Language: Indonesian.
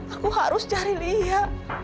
aku harus cari lia